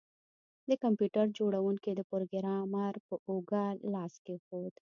د کمپیوټر جوړونکي د پروګرامر په اوږه لاس کیښود